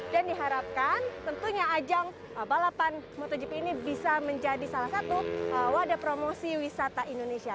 dan diharapkan tentunya ajang balapan motogp ini bisa menjadi salah satu wadah promosi wisata indonesia